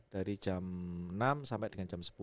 dari jam enam sampai dengan jam sepuluh